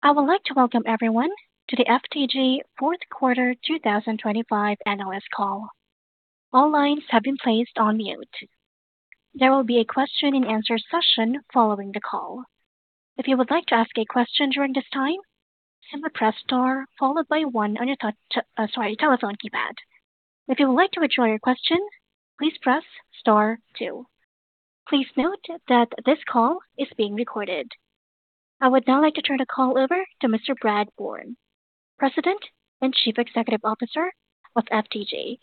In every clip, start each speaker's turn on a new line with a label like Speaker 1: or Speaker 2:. Speaker 1: I would like to welcome everyone to the FTG fourth quarter 2025 analyst call. All lines have been placed on mute. There will be a question-and-answer session following the call. If you would like to ask a question during this time, simply press star followed by one on your touch, sorry, telephone keypad. If you would like to withdraw your question, please press star two. Please note that this call is being recorded. I would now like to turn the call over to Mr. Brad Bourne, President and Chief Executive Officer of FTG.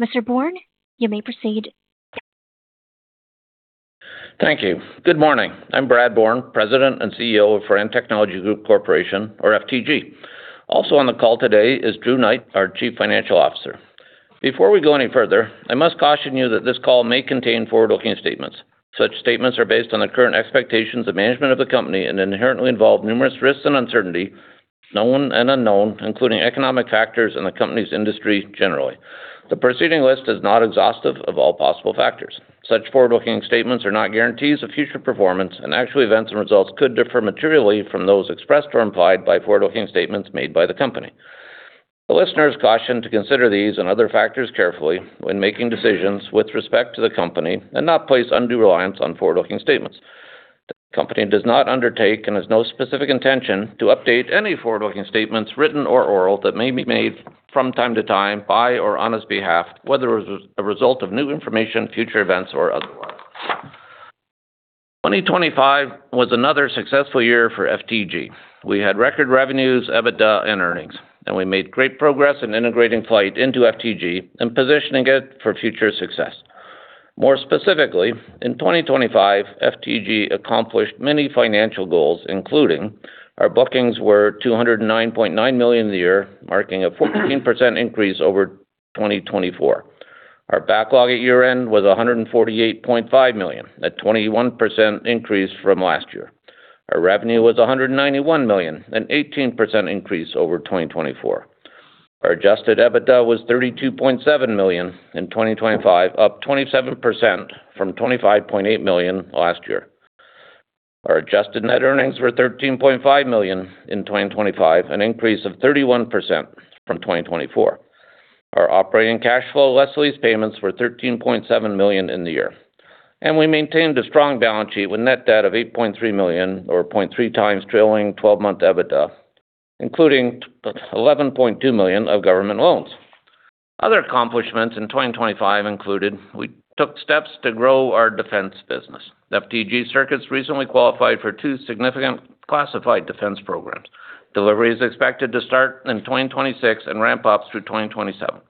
Speaker 1: Mr. Bourne, you may proceed.
Speaker 2: Thank you. Good morning. I'm Brad Bourne, President and CEO of Firan Technology Group Corporation, or FTG. Also on the call today is Drew Knight, our Chief Financial Officer. Before we go any further, I must caution you that this call may contain forward-looking statements. Such statements are based on the current expectations of management of the company and inherently involve numerous risks and uncertainty, known and unknown, including economic factors in the company's industry generally. The preceding list is not exhaustive of all possible factors. Such forward-looking statements are not guarantees of future performance, and actual events and results could differ materially from those expressed or implied by forward-looking statements made by the company. The listener is cautioned to consider these and other factors carefully when making decisions with respect to the company and not place undue reliance on forward-looking statements. The company does not undertake and has no specific intention to update any forward-looking statements, written or oral, that may be made from time to time by or on its behalf, whether as a result of new information, future events, or otherwise. 2025 was another successful year for FTG. We had record revenues, EBITDA, and earnings, and we made great progress in integrating FLYHT into FTG and positioning it for future success. More specifically, in 2025, FTG accomplished many financial goals, including our bookings were 209.9 million a year, marking a 14% increase over 2024. Our backlog at year-end was 148.5 million, a 21% increase from last year. Our revenue was 191 million, an 18% increase over 2024. Our adjusted EBITDA was 32.7 million in 2025, up 27% from 25.8 million last year. Our adjusted net earnings were 13.5 million in 2025, an increase of 31% from 2024. Our operating cash flow, less lease payments, were 13.7 million in the year, and we maintained a strong balance sheet with net debt of 8.3 million or 0.3x trailing twelve-month EBITDA, including 11.2 million of government loans. Other accomplishments in 2025 included: We took steps to grow our defense business. FTG Circuits recently qualified for two significant classified defense programs. Delivery is expected to start in 2026 and ramp up through 2027.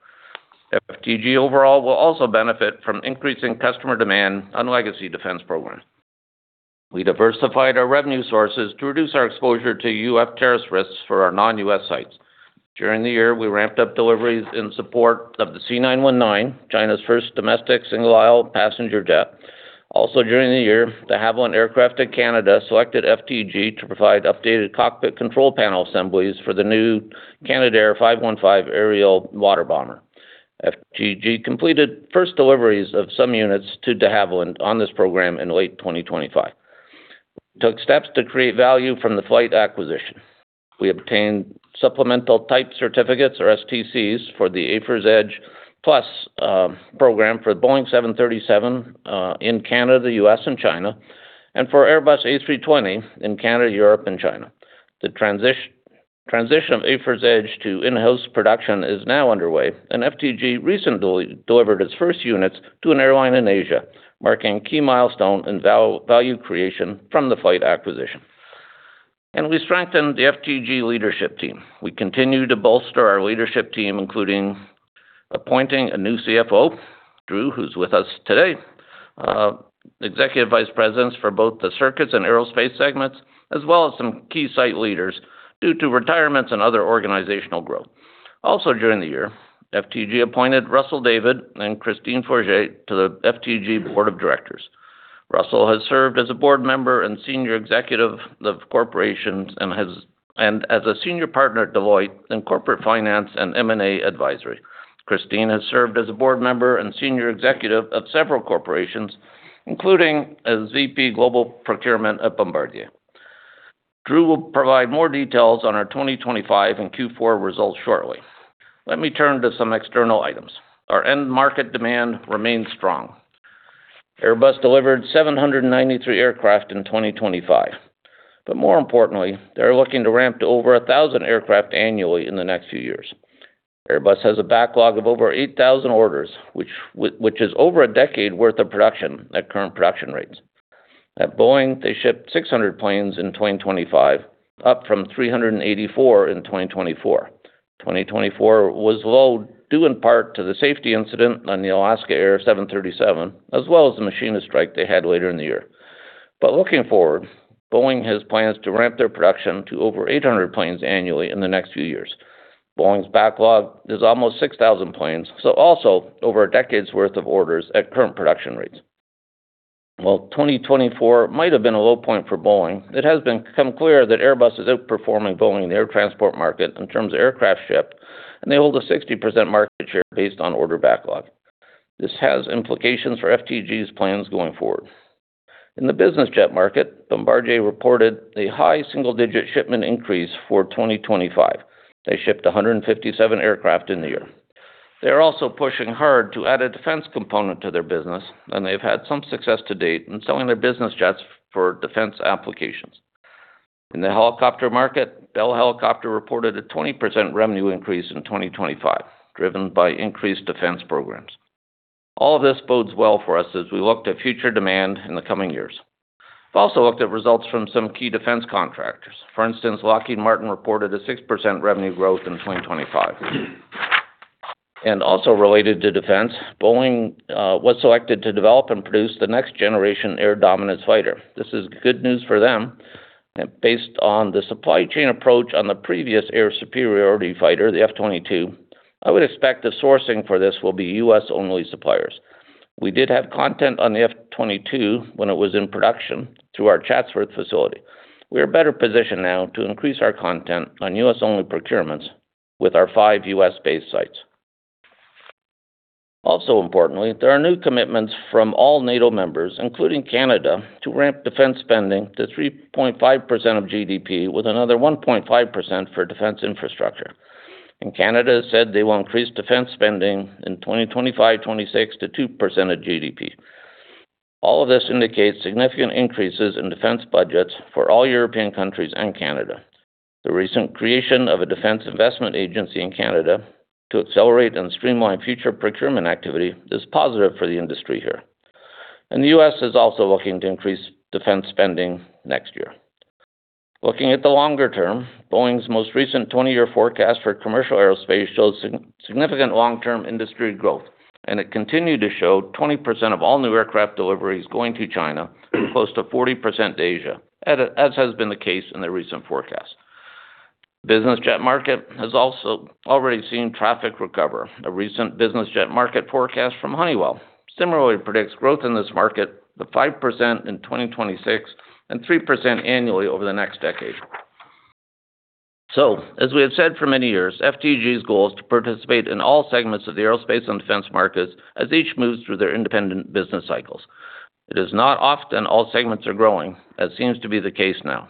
Speaker 2: FTG overall will also benefit from increasing customer demand on legacy defense programs. We diversified our revenue sources to reduce our exposure to U.S. tariff risks for our non-U.S. sites. During the year, we ramped up deliveries in support of the C919, China's first domestic single-aisle passenger jet. Also, during the year, De Havilland Aircraft of Canada selected FTG to provide updated cockpit control panel assemblies for the new Canadair 515 aerial water bomber. FTG completed first deliveries of some units to De Havilland on this program in late 2025. Took steps to create value from the FLYHT acquisition. We obtained supplemental type certificates, or STCs, for the AFIRS Edge+ program for Boeing 737 in Canada, U.S., and China, and for Airbus A320 in Canada, Europe, and China. The transition of AFIRS Edge to in-house production is now underway, and FTG recently delivered its first units to an airline in Asia, marking a key milestone in value creation from the FLYHT acquisition. We strengthened the FTG leadership team. We continue to bolster our leadership team, including appointing a new CFO, Drew, who's with us today, executive vice presidents for both the circuits and aerospace segments, as well as some key site leaders, due to retirements and other organizational growth. Also, during the year, FTG appointed Russell David and Christine Forget to the FTG board of directors. Russell has served as a board member and senior executive of corporations and as a senior partner at Deloitte in corporate finance and M&A advisory. Christine has served as a board member and senior executive of several corporations, including as VP Global Procurement at Bombardier. Drew will provide more details on our 2025 and Q4 results shortly. Let me turn to some external items. Our end market demand remains strong. Airbus delivered 793 aircraft in 2025, but more importantly, they're looking to ramp to over 1,000 aircraft annually in the next few years. Airbus has a backlog of over 8,000 orders, which is over a decade worth of production at current production rates. At Boeing, they shipped 600 planes in 2025, up from 384 in 2024. 2024 was low, due in part to the safety incident on the Alaska Air 737, as well as the machinist strike they had later in the year. But looking forward, Boeing has plans to ramp their production to over 800 planes annually in the next few years. Boeing's backlog is almost 6,000 planes, so also over a decade's worth of orders at current production rates. Well, 2024 might have been a low point for Boeing. It has become clear that Airbus is outperforming Boeing in the air transport market in terms of aircraft shipped, and they hold a 60% market share based on order backlog. This has implications for FTG's plans going forward. In the business jet market, Bombardier reported a high single-digit shipment increase for 2025. They shipped 157 aircraft in the year. They're also pushing hard to add a defense component to their business, and they've had some success to date in selling their business jets for defense applications. In the helicopter market, Bell Helicopter reported a 20% revenue increase in 2025, driven by increased defense programs. All of this bodes well for us as we look to future demand in the coming years. We've also looked at results from some key defense contractors. For instance, Lockheed Martin reported a 6% revenue growth in 2025. Also related to defense, Boeing was selected to develop and produce the Next Generation Air Dominance fighter. This is good news for them, and based on the supply chain approach on the previous air superiority fighter, the F-22, I would expect the sourcing for this will be U.S.-only suppliers. We did have content on the F-22 when it was in production through our Chatsworth facility. We are better positioned now to increase our content on U.S.-only procurements with our five U.S.-based sites. Also importantly, there are new commitments from all NATO members, including Canada, to ramp defense spending to 3.5% of GDP, with another 1.5% for defense infrastructure. Canada has said they will increase defense spending in 2025, 2026 to 2% of GDP. All of this indicates significant increases in defense budgets for all European countries and Canada. The recent creation of a defense investment agency in Canada to accelerate and streamline future procurement activity is positive for the industry here. The U.S. is also looking to increase defense spending next year. Looking at the longer term, Boeing's most recent 20-year forecast for commercial aerospace shows significant long-term industry growth, and it continued to show 20% of all new aircraft deliveries going to China, close to 40% to Asia, as has been the case in the recent forecast. Business jet market has also already seen traffic recover. A recent business jet market forecast from Honeywell similarly predicts growth in this market to 5% in 2026 and 3% annually over the next decade. So, as we have said for many years, FTG's goal is to participate in all segments of the aerospace and defense markets as each moves through their independent business cycles. It is not often all segments are growing, as seems to be the case now.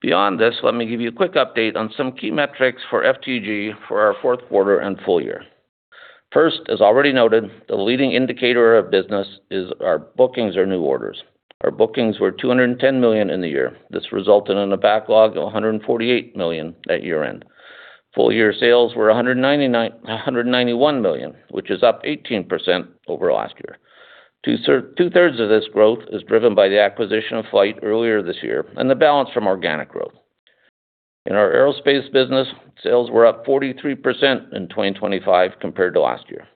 Speaker 2: Beyond this, let me give you a quick update on some key metrics for FTG for our fourth quarter and full year. First, as already noted, the leading indicator of business is our bookings or new orders. Our bookings were 210 million in the year. This resulted in a backlog of 148 million at year-end. Full year sales were 191 million, which is up 18% over last year. Two-thirds of this growth is driven by the acquisition of FLYHT earlier this year and the balance from organic growth. In our aerospace business, sales were up 43% in 2025 compared to last year.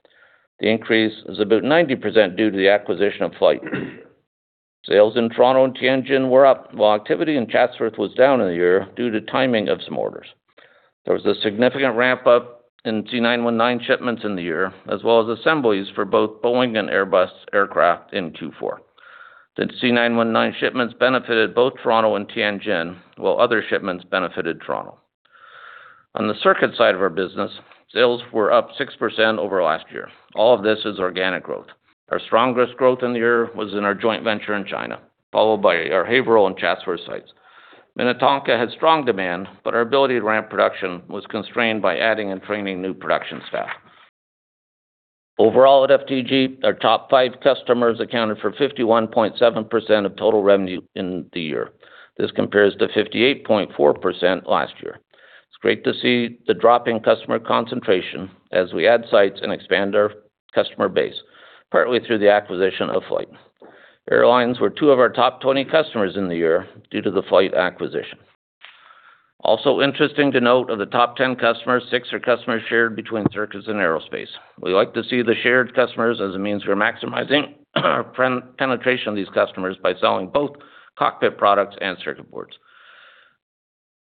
Speaker 2: The increase is about 90% due to the acquisition of FLYHT. Sales in Toronto and Tianjin were up, while activity in Chatsworth was down in the year due to timing of some orders. There was a significant ramp-up in C919 shipments in the year, as well as assemblies for both Boeing and Airbus aircraft in Q4. The C919 shipments benefited both Toronto and Tianjin, while other shipments benefited Toronto. On the circuit side of our business, sales were up 6% over last year. All of this is organic growth. Our strongest growth in the year was in our joint venture in China, followed by our Haverhill and Chatsworth sites. Minnetonka had strong demand, but our ability to ramp production was constrained by adding and training new production staff. Overall, at FTG, our top five customers accounted for 51.7% of total revenue in the year. This compares to 58.4% last year. It's great to see the drop in customer concentration as we add sites and expand our customer base, partly through the acquisition of FLYHT. Airlines were two of our top 20 customers in the year due to the FLYHT acquisition. Also interesting to note, of the top 10 customers, six are customers shared between Circuits and Aerospace. We like to see the shared customers as a means for maximizing our penetration of these customers by selling both cockpit products and circuit boards.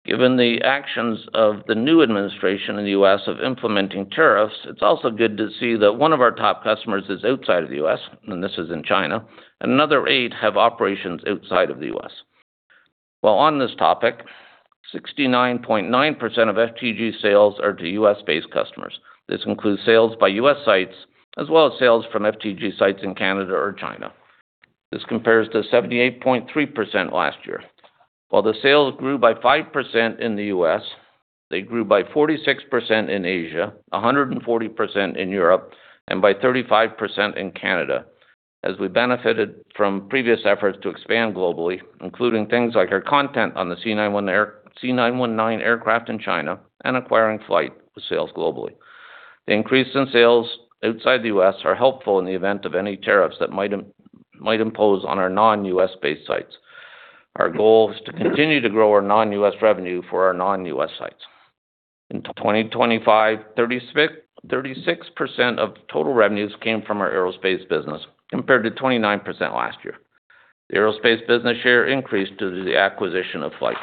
Speaker 2: Given the actions of the new administration in the U.S. of implementing tariffs, it's also good to see that one of our top customers is outside of the U.S., and this is in China, and another eight have operations outside of the U.S. While on this topic, 69.9% of FTG sales are to U.S.-based customers. This includes sales by U.S. sites, as well as sales from FTG sites in Canada or China. This compares to 78.3% last year. While the sales grew by 5% in the U.S., they grew by 46% in Asia, 140% in Europe, and by 35% in Canada, as we benefited from previous efforts to expand globally, including things like our content on the C919 aircraft in China and acquiring FLYHT sales globally. The increase in sales outside the U.S. are helpful in the event of any tariffs that might impose on our non-U.S.-based sites. Our goal is to continue to grow our non-U.S. revenue for our non-U.S. sites. In 2025, 36% of the total revenues came from our aerospace business, compared to 29% last year. The aerospace business share increased due to the acquisition of FLYHT.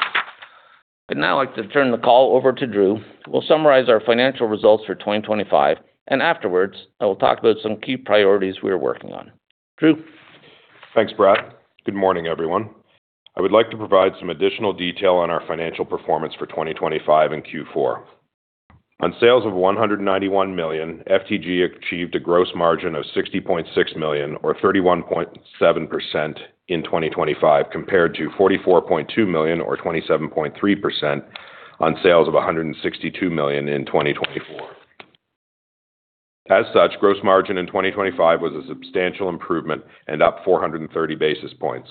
Speaker 2: I'd now like to turn the call over to Drew, who will summarize our financial results for 2025, and afterwards, I will talk about some key priorities we are working on. Drew?
Speaker 3: Thanks, Brad. Good morning, everyone. I would like to provide some additional detail on our financial performance for 2025 and Q4. On sales of 191 million, FTG achieved a gross margin of 60.6 million, or 31.7% in 2025, compared to 44.2 million, or 27.3% on sales of 162 million in 2024. As such, gross margin in 2025 was a substantial improvement and up 430 basis points.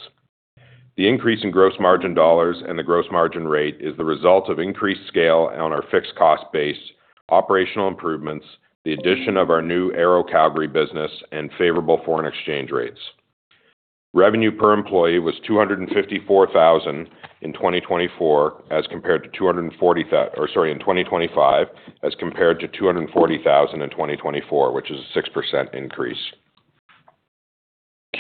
Speaker 3: The increase in gross margin dollars and the gross margin rate is the result of increased scale on our fixed cost base, operational improvements, the addition of our new Aero Calgary business, and favorable foreign exchange rates. Revenue per employee was 254,000 in 2024, as compared to CAD 240,000-- or sorry, in 2025, as compared to 240,000 in 2024, which is a 6% increase.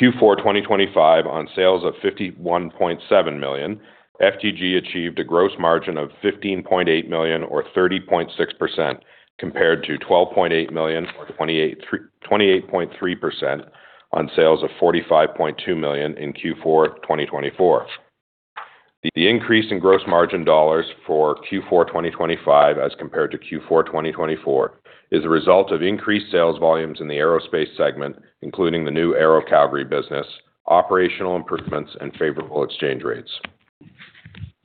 Speaker 3: Q4 2025, on sales of 51.7 million, FTG achieved a gross margin of 15.8 million or 30.6%, compared to 12.8 million or 28.3% on sales of 45.2 million in Q4 2024. The increase in gross margin dollars for Q4 2025 as compared to Q4 2024, is a result of increased sales volumes in the aerospace segment, including the new Aero Calgary business, operational improvements, and favorable exchange rates.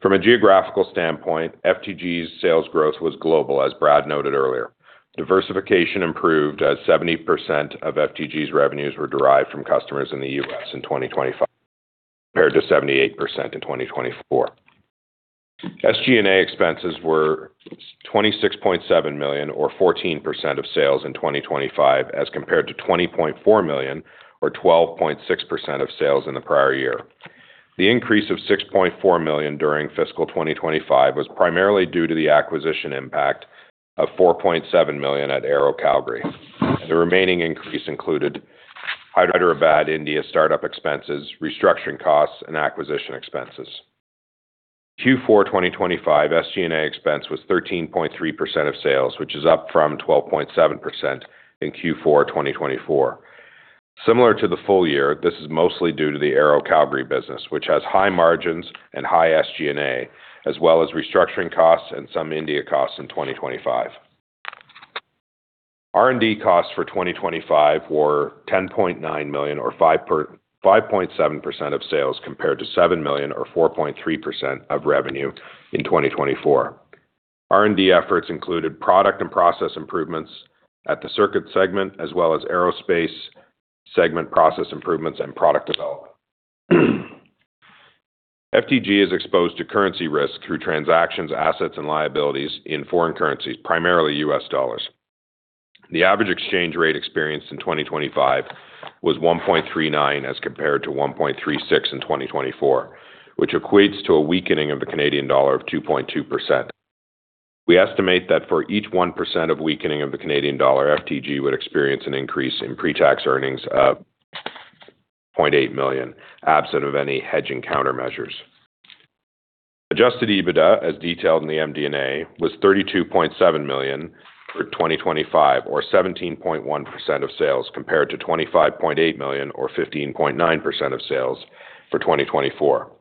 Speaker 3: From a geographical standpoint, FTG's sales growth was global, as Brad noted earlier. Diversification improved, as 70% of FTG's revenues were derived from customers in the U.S. in 2025, compared to 78% in 2024. SG&A expenses were 26.7 million, or 14% of sales in 2025, as compared to 20.4 million, or 12.6% of sales in the prior year. The increase of 6.4 million during fiscal 2025 was primarily due to the acquisition impact of 4.7 million at Aero Calgary. The remaining increase included Hyderabad, India, startup expenses, restructuring costs, and acquisition expenses. Q4 2025, SG&A expense was 13.3% of sales, which is up from 12.7% in Q4 2024. Similar to the full year, this is mostly due to the Aero Calgary business, which has high margins and high SG&A, as well as restructuring costs and some India costs in 2025. R&D costs for 2025 were 10.9 million or 5.7% of sales, compared to 7 million or 4.3% of revenue in 2024. R&D efforts included product and process improvements at the Circuit segment, as well as Aerospace segment process improvements and product development. FTG is exposed to currency risk through transactions, assets, and liabilities in foreign currencies, primarily U.S. dollars. The average exchange rate experienced in 2025 was 1.39, as compared to 1.36 in 2024, which equates to a weakening of the Canadian dollar of 2.2%. We estimate that for each 1% weakening of the Canadian dollar, FTG would experience an increase in pre-tax earnings of 0.8 million, absent of any hedging countermeasures. Adjusted EBITDA, as detailed in the MD&A, was 32.7 million for 2025 or 17.1% of sales, compared to 25.8 million or 15.9% of sales for 2024.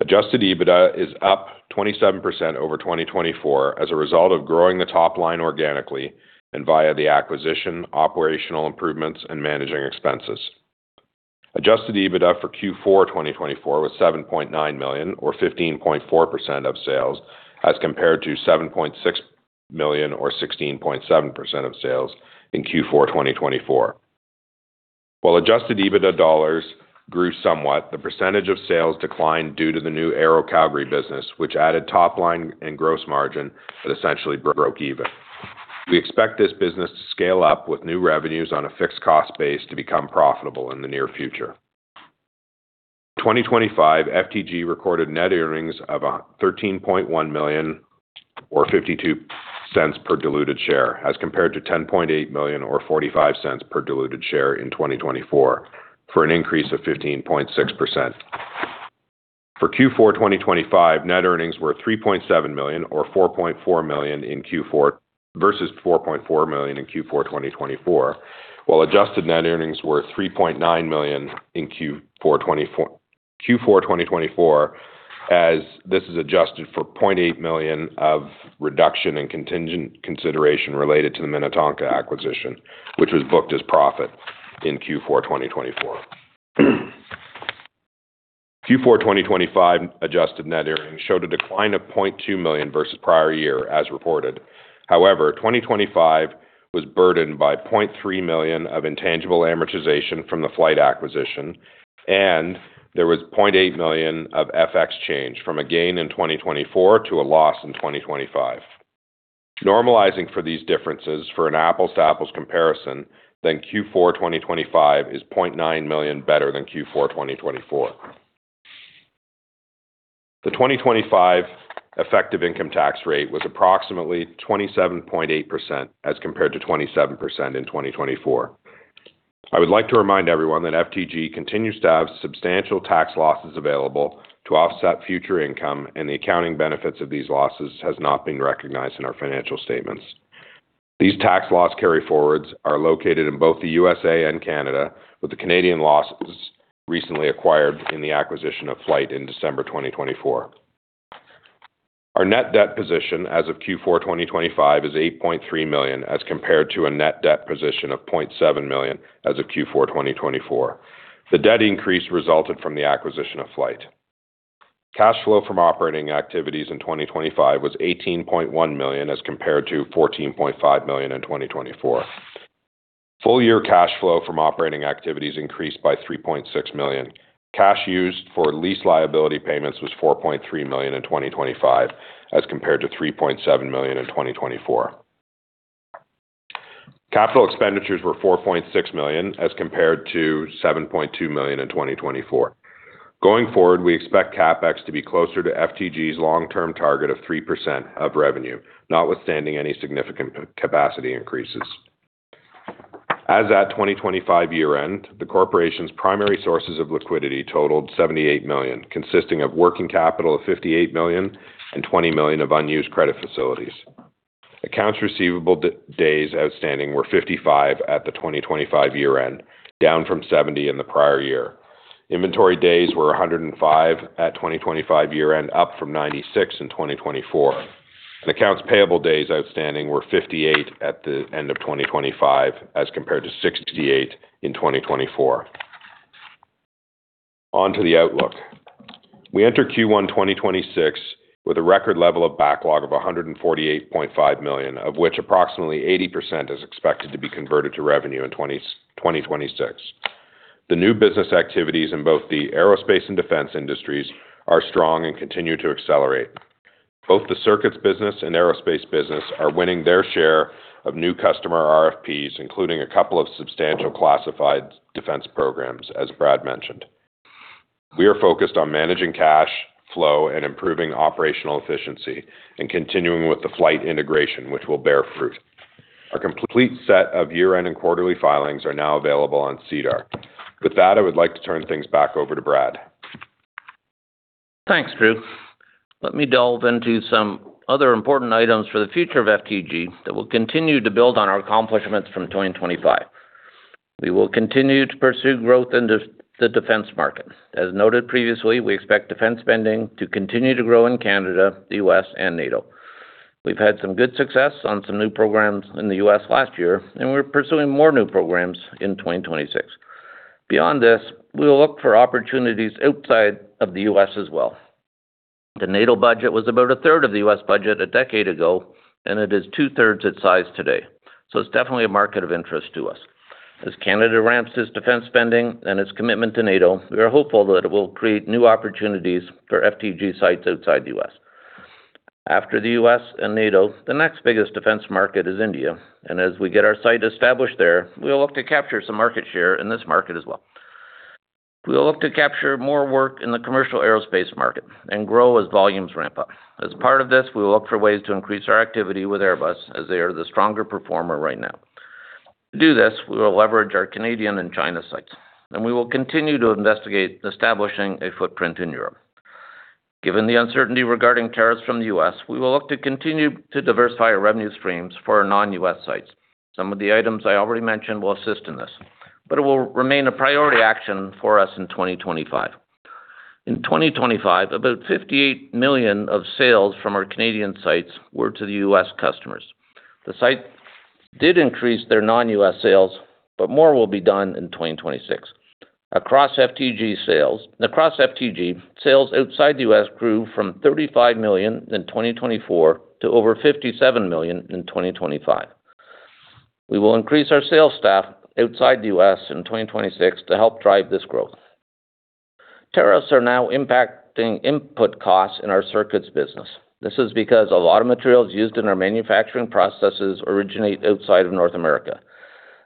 Speaker 3: Adjusted EBITDA is up 27% over 2024, as a result of growing the top line organically and via the acquisition, operational improvements, and managing expenses. Adjusted EBITDA for Q4 2024 was 7.9 million or 15.4% of sales, as compared to 7.6 million, or 16.7% of sales in Q4 2024. While Adjusted EBITDA dollars grew somewhat, the % of sales declined due to the new Aero Calgary business, which added top line and gross margin that essentially broke even. We expect this business to scale up with new revenues on a fixed cost base to become profitable in the near future. In 2025, FTG recorded net earnings of 13.1 million or 0.52 per diluted share, as compared to 10.8 million or 0.45 per diluted share in 2024, for an increase of 15.6%. For Q4 2025, net earnings were 3.7 million or 4.4 million in Q4 versus 4.4 million in Q4 2024, while adjusted net earnings were 3.9 million in Q4 2024, as this is adjusted for 0.8 million of reduction in contingent consideration related to the Minnetonka acquisition, which was booked as profit in Q4 2024. Q4 2025 adjusted net earnings showed a decline of 0.2 million versus prior year as reported. However, 2025 was burdened by 0.3 million of intangible amortization from the FLYHT acquisition, and there was 0.8 million of FX change from a gain in 2024 to a loss in 2025. Normalizing for these differences for an apples to apples comparison, then Q4 2025 is 0.9 million better than Q4 2024. The 2025 effective income tax rate was approximately 27.8%, as compared to 27% in 2024. I would like to remind everyone that FTG continues to have substantial tax losses available to offset future income, and the accounting benefits of these losses has not been recognized in our financial statements. These tax loss carryforwards are located in both the USA and Canada, with the Canadian losses recently acquired in the acquisition of FLYHT in December 2024. Our net debt position as of Q4 2025 is 8.3 million, as compared to a net debt position of 0.7 million as of Q4 2024. The debt increase resulted from the acquisition of FLYHT. Cash flow from operating activities in 2025 was 18.1 million, as compared to 14.5 million in 2024. Full year cash flow from operating activities increased by 3.6 million. Cash used for lease liability payments was 4.3 million in 2025, as compared to 3.7 million in 2024. Capital expenditures were 4.6 million, as compared to 7.2 million in 2024. Going forward, we expect CapEx to be closer to FTG's long-term target of 3% of revenue, notwithstanding any significant capacity increases. As at 2025 year end, the corporation's primary sources of liquidity totaled 78 million, consisting of working capital of 58 million and 20 million of unused credit facilities. Accounts receivable days outstanding were 55 at the 2025 year end, down from 70 in the prior year. Inventory days were 105 at 2025 year end, up from 96 in 2024, and accounts payable days outstanding were 58 at the end of 2025, as compared to 68 in 2024. On to the outlook. We enter Q1 2026 with a record level of backlog of 148.5 million, of which approximately 80% is expected to be converted to revenue in 2026. The new business activities in both the aerospace and defense industries are strong and continue to accelerate. Both the circuits business and aerospace business are winning their share of new customer RFPs, including a couple of substantial classified defense programs as Brad mentioned. We are focused on managing cash flow and improving operational efficiency and continuing with the FLYHT integration, which will bear fruit. Our complete set of year-end and quarterly filings are now available on SEDAR. With that, I would like to turn things back over to Brad.
Speaker 2: Thanks, Drew. Let me delve into some other important items for the future of FTG that will continue to build on our accomplishments from 2025. We will continue to pursue growth in the defense markets. As noted previously, we expect defense spending to continue to grow in Canada, the U.S., and NATO. We've had some good success on some new programs in the U.S. last year, and we're pursuing more new programs in 2026. Beyond this, we will look for opportunities outside of the U.S. as well. The NATO budget was about a third of the U.S. budget a decade ago, and it is two-thirds its size today, so it's definitely a market of interest to us. As Canada ramps its defense spending and its commitment to NATO, we are hopeful that it will create new opportunities for FTG sites outside the U.S. After the U.S. and NATO, the next biggest defense market is India, and as we get our site established there, we'll look to capture some market share in this market as well. We'll look to capture more work in the commercial aerospace market and grow as volumes ramp up. As part of this, we will look for ways to increase our activity with Airbus as they are the stronger performer right now. To do this, we will leverage our Canadian and China sites, and we will continue to investigate establishing a footprint in Europe. Given the uncertainty regarding tariffs from the U.S., we will look to continue to diversify our revenue streams for our non-U.S. sites. Some of the items I already mentioned will assist in this, but it will remain a priority action for us in 2025. In 2025, about 58 million of sales from our Canadian sites were to U.S. customers. The site did increase their non-U.S. sales, but more will be done in 2026. Across FTG, sales outside the U.S. grew from 35 million in 2024 to over 57 million in 2025. We will increase our sales staff outside the U.S. in 2026 to help drive this growth. Tariffs are now impacting input costs in our circuits business. This is because a lot of materials used in our manufacturing processes originate outside of North America.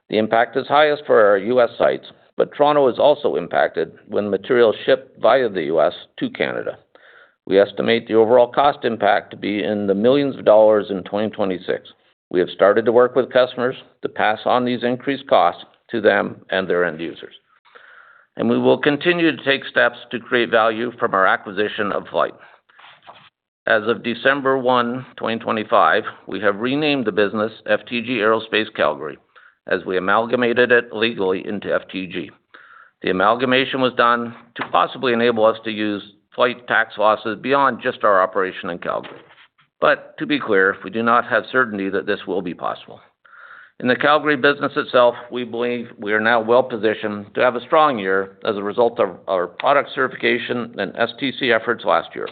Speaker 2: The impact is highest for our U.S. sites, but Toronto is also impacted when materials ship via the U.S. to Canada. We estimate the overall cost impact to be in the millions of dollars in 2026. We have started to work with customers to pass on these increased costs to them and their end users, and we will continue to take steps to create value from our acquisition of FLYHT. As of December 1, 2025, we have renamed the business FTG Aerospace Calgary, as we amalgamated it legally into FTG. The amalgamation was done to possibly enable us to use FLYHT tax losses beyond just our operation in Calgary. But to be clear, we do not have certainty that this will be possible. In the Calgary business itself, we believe we are now well positioned to have a strong year as a result of our product certification and STC efforts last year.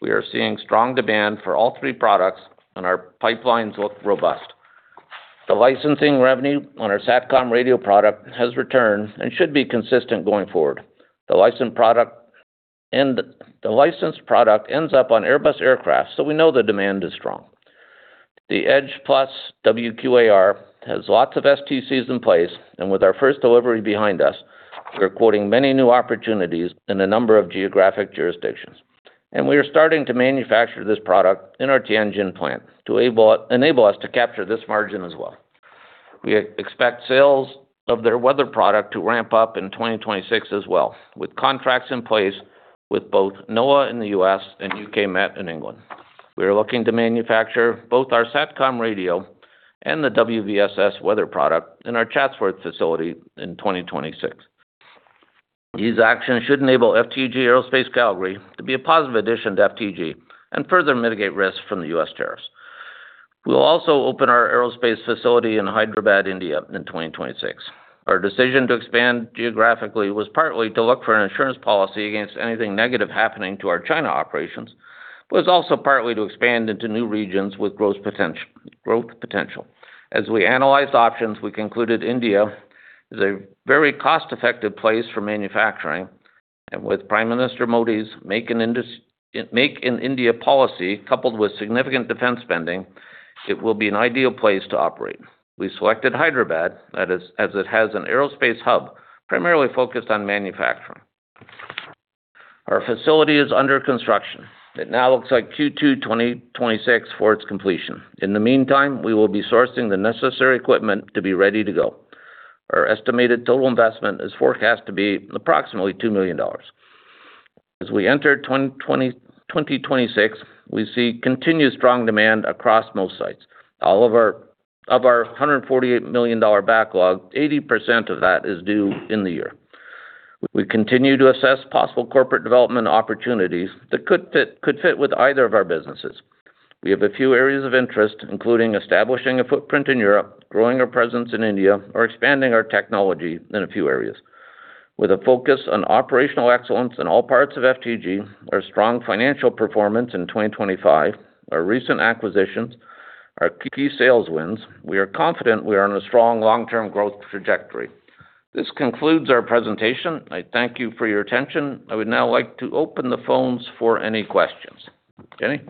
Speaker 2: We are seeing strong demand for all three products, and our pipelines look robust. The licensing revenue on our SATCOM radio product has returned and should be consistent going forward. The licensed product ends up on Airbus aircraft, so we know the demand is strong. The Edge+ WQAR has lots of STCs in place, and with our first delivery behind us, we're quoting many new opportunities in a number of geographic jurisdictions. We are starting to manufacture this product in our Tianjin plant to enable us to capture this margin as well. We expect sales of their weather product to ramp up in 2026 as well, with contracts in place with both NOAA in the U.S. and U.K. Met in England. We are looking to manufacture both our SATCOM radio and the WVSS weather product in our Chatsworth facility in 2026. These actions should enable FTG Aerospace Calgary to be a positive addition to FTG and further mitigate risks from the U.S. tariffs. We'll also open our aerospace facility in Hyderabad, India, in 2026. Our decision to expand geographically was partly to look for an insurance policy against anything negative happening to our China operations, but it's also partly to expand into new regions with growth potential, growth potential. As we analyzed options, we concluded India is a very cost-effective place for manufacturing, and with Prime Minister Modi's Make in India policy, coupled with significant defense spending, it will be an ideal place to operate. We selected Hyderabad, that is, as it has an aerospace hub, primarily focused on manufacturing. Our facility is under construction. It now looks like Q2 2026 for its completion. In the meantime, we will be sourcing the necessary equipment to be ready to go. Our estimated total investment is forecast to be approximately 2 million dollars. As we enter 2026, we see continued strong demand across most sites. All of our 148 million dollar backlog, 80% of that is due in the year. We continue to assess possible corporate development opportunities that could fit with either of our businesses. We have a few areas of interest, including establishing a footprint in Europe, growing our presence in India, or expanding our technology in a few areas. With a focus on operational excellence in all parts of FTG, our strong financial performance in 2025, our recent acquisitions, our key sales wins, we are confident we are on a strong long-term growth trajectory. This concludes our presentation. I thank you for your attention. I would now like to open the phones for any questions. Jenny?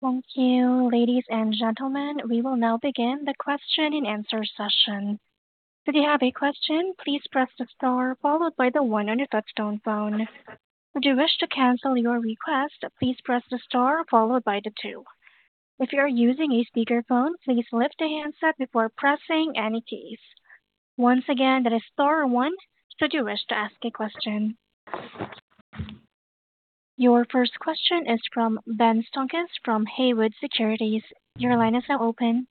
Speaker 1: Thank you, ladies and gentlemen. We will now begin the question-and-answer session. If you have a question, please press the star followed by the one on your touchtone phone. If you wish to cancel your request, please press the star followed by the two. If you are using a speakerphone, please lift the handset before pressing any keys. Once again, that is star one, should you wish to ask a question. Your first question is from Ben Stonkus from Haywood Securities. Your line is now open.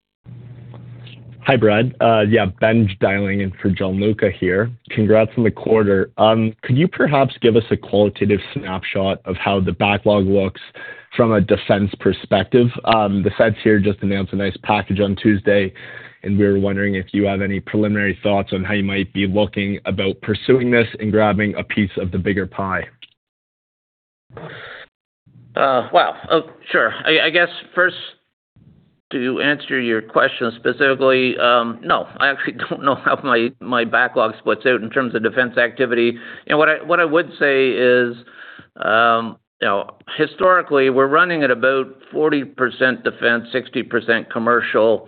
Speaker 4: Hi, Brad. Yeah, Ben dialing in for Gianluca here. Congrats on the quarter. Could you perhaps give us a qualitative snapshot of how the backlog looks from a defense perspective? The feds here just announced a nice package on Tuesday, and we were wondering if you have any preliminary thoughts on how you might be looking about pursuing this and grabbing a piece of the bigger pie.
Speaker 2: Well, sure. I guess first, to answer your question specifically, no, I actually don't know how my backlog splits out in terms of defense activity. You know, what I would say is, you know, historically, we're running at about 40% defense, 60% commercial,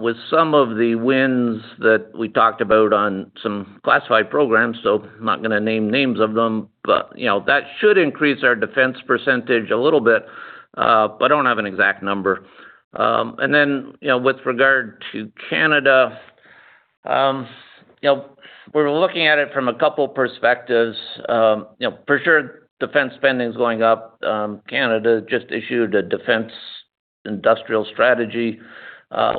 Speaker 2: with some of the wins that we talked about on some classified programs, so I'm not gonna name names of them, but, you know, that should increase our defense % a little bit, but I don't have an exact number. And then, you know, with regard to Canada, you know, we're looking at it from a couple perspectives. You know, for sure, defense spending is going up. Canada just issued a defense industrial strategy,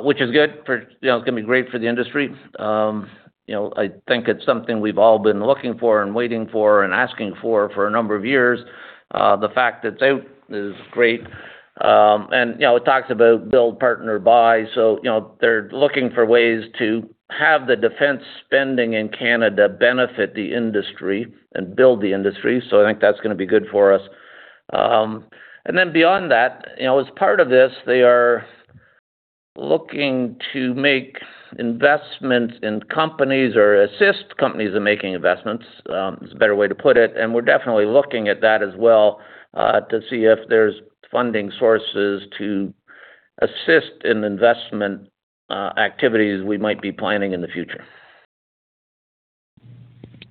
Speaker 2: which is good for... You know, it's gonna be great for the industry. You know, I think it's something we've all been looking for and waiting for and asking for, for a number of years. The fact that it's out is great. And, you know, it talks about build, partner, buy. So, you know, they're looking for ways to have the defense spending in Canada benefit the industry and build the industry. So I think that's gonna be good for us. And then beyond that, you know, as part of this, they are looking to make investments in companies or assist companies in making investments, is a better way to put it, and we're definitely looking at that as well, to see if there's funding sources to assist in investment activities we might be planning in the future.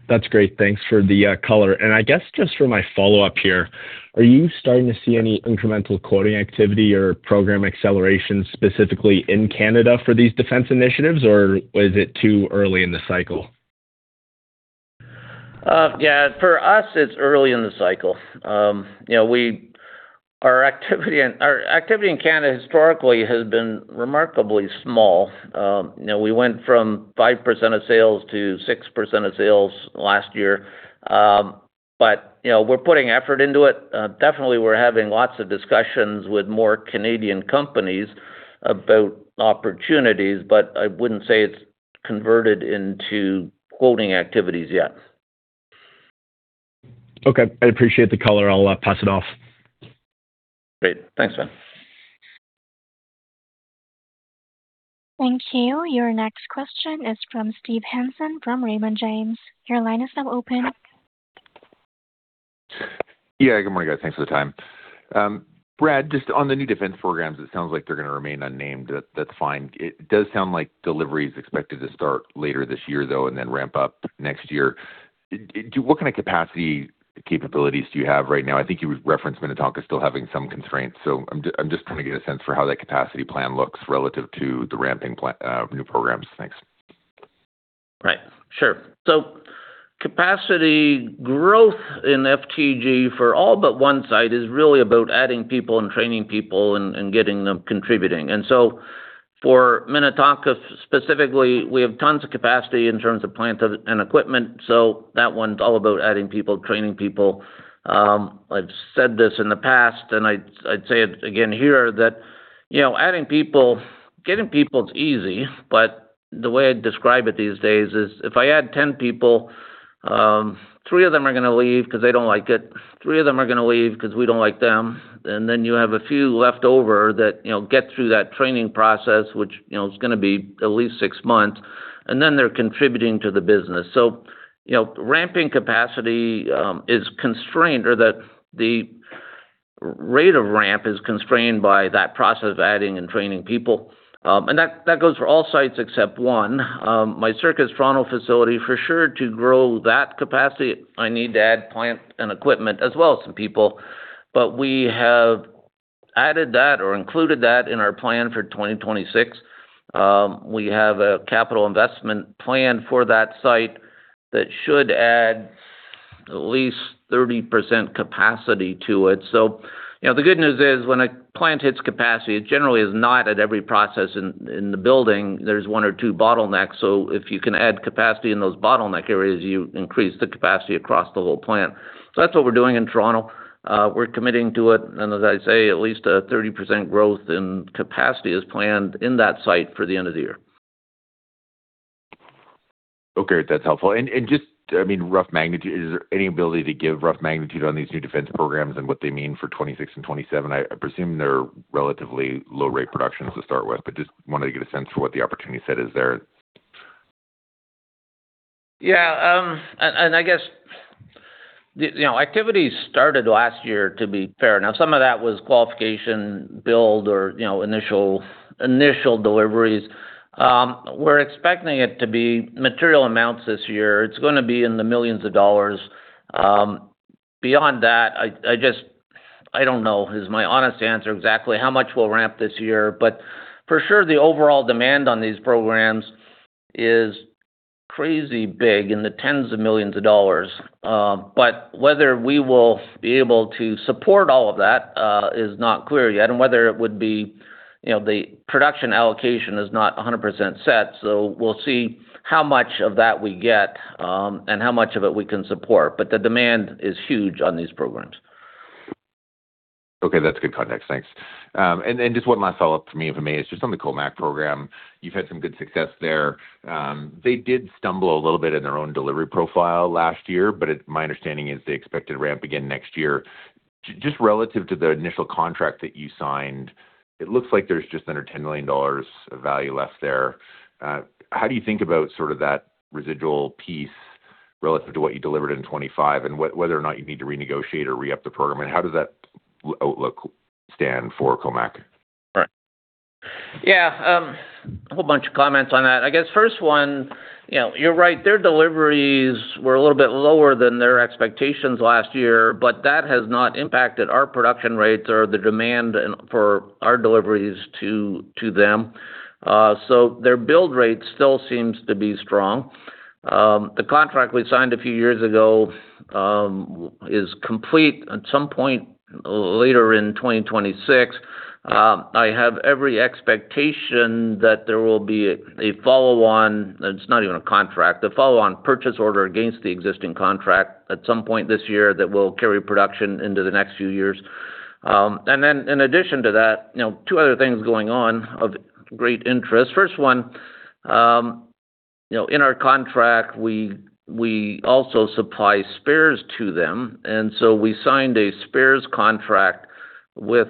Speaker 4: That's great. Thanks for the color. And I guess just for my follow-up here, are you starting to see any incremental quoting activity or program acceleration specifically in Canada for these defense initiatives, or is it too early in the cycle?
Speaker 2: Yeah, for us, it's early in the cycle. You know, our activity in Canada historically has been remarkably small. You know, we went from 5% of sales to 6% of sales last year. But, you know, we're putting effort into it. Definitely, we're having lots of discussions with more Canadian companies about opportunities, but I wouldn't say it's converted into quoting activities yet.
Speaker 4: Okay. I appreciate the color. I'll pass it off.
Speaker 2: Great. Thanks, Ben.
Speaker 1: Thank you. Your next question is from Steve Hansen, from Raymond James. Your line is now open.
Speaker 5: Yeah. Good morning, guys. Thanks for the time. Brad, just on the new defense programs, it sounds like they're gonna remain unnamed. That's fine. It does sound like delivery is expected to start later this year, though, and then ramp up next year. What kind of capabilities do you have right now? I think you referenced Minnetonka still having some constraints. So I'm just, I'm just trying to get a sense for how that capacity plan looks relative to the ramping plan, new programs. Thanks.
Speaker 2: Right. Sure. So capacity growth in FTG for all but one site is really about adding people and training people and getting them contributing. And so for Minnetonka specifically, we have tons of capacity in terms of plant and equipment, so that one's all about adding people, training people. I've said this in the past, and I'd say it again here, that, you know, adding people, getting people is easy, but the way I describe it these days is if I add 10 people, three of them are going to leave because they don't like it. Three of them are going to leave because we don't like them. And then you have a few left over that, you know, get through that training process, which, you know, is going to be at least 6 months, and then they're contributing to the business. So, you know, ramping capacity is constrained or that the rate of ramp is constrained by that process of adding and training people. And that goes for all sites except one. My Circuits Toronto facility, for sure, to grow that capacity, I need to add plant and equipment as well as some people. But we have added that or included that in our plan for 2026. We have a capital investment plan for that site that should add at least 30% capacity to it. So, you know, the good news is, when a plant hits capacity, it generally is not at every process in the building. There's one or two bottlenecks. So if you can add capacity in those bottleneck areas, you increase the capacity across the whole plant. So that's what we're doing in Toronto. We're committing to it, and as I say, at least a 30% growth in capacity is planned in that site for the end of the year.
Speaker 5: Okay, that's helpful. Just, I mean, rough magnitude. Is there any ability to give rough magnitude on these new defense programs and what they mean for 2026 and 2027? I presume they're relatively low-rate productions to start with, but just wanted to get a sense for what the opportunity set is there.
Speaker 2: Yeah, and I guess, you know, activities started last year, to be fair. Now, some of that was qualification, build, or, you know, initial deliveries. We're expecting it to be material amounts this year. It's going to be in the millions dollars. Beyond that, I just don't know is my honest answer, exactly how much we'll ramp this year. But for sure, the overall demand on these programs is crazy big, in the tens of millions dollars. But whether we will be able to support all of that is not clear yet, and whether it would be, you know, the production allocation is not 100% set, so we'll see how much of that we get, and how much of it we can support. But the demand is huge on these programs.
Speaker 5: Okay, that's good context. Thanks. And just one last follow-up for me, if I may. It's just on the COMAC program. You've had some good success there. They did stumble a little bit in their own delivery profile last year, but it—my understanding is they expected ramp again next year. Just relative to the initial contract that you signed, it looks like there's just under 10 million dollars of value left there. How do you think about sort of that residual piece relative to what you delivered in 2025 and whether or not you need to renegotiate or re-up the program? And how does that outlook stand for COMAC?
Speaker 2: Right. Yeah, a whole bunch of comments on that. I guess first one, you know, you're right, their deliveries were a little bit lower than their expectations last year, but that has not impacted our production rates or the demand and for our deliveries to them. So their build rate still seems to be strong. The contract we signed a few years ago is complete at some point later in 2026. I have every expectation that there will be a follow-on, it's not even a contract, a follow-on purchase order against the existing contract at some point this year that will carry production into the next few years. And then in addition to that, you know, two other things going on of great interest. First one, you know, in our contract, we also supply spares to them, and so we signed a spares contract with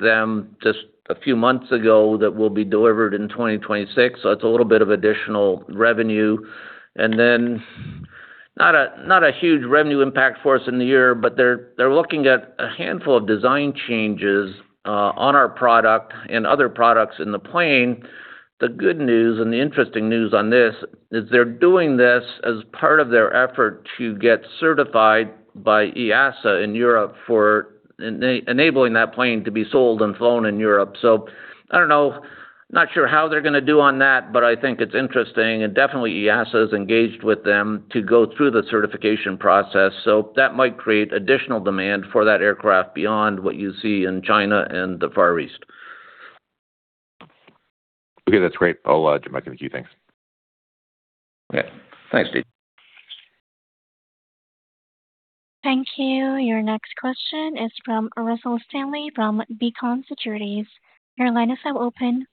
Speaker 2: them just a few months ago that will be delivered in 2026. So that's a little bit of additional revenue. And then not a huge revenue impact for us in the year, but they're looking at a handful of design changes on our product and other products in the plane. The good news and the interesting news on this is they're doing this as part of their effort to get certified by EASA in Europe for enabling that plane to be sold and flown in Europe. So I don't know. Not sure how they're going to do on that, but I think it's interesting and definitely EASA is engaged with them to go through the certification process. So that might create additional demand for that aircraft beyond what you see in China and the Far East.
Speaker 5: Okay, that's great. I'll get back to you. Thanks.
Speaker 2: Okay. Thank you.
Speaker 1: Thank you. Your next question is from Russell Stanley, from Beacon Securities. Your line is now open.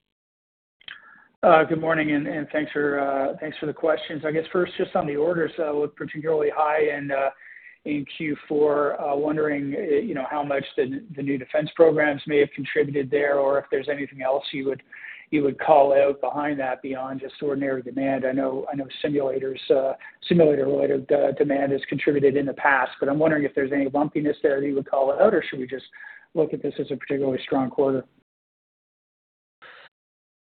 Speaker 6: Good morning, and thanks for the questions. I guess first, just on the orders looked particularly high and in Q4, wondering, you know, how much the new defense programs may have contributed there, or if there's anything else you would call out behind that beyond just ordinary demand. I know simulators, simulator-related demand has contributed in the past, but I'm wondering if there's any bumpiness there that you would call out, or should we just look at this as a particularly strong quarter?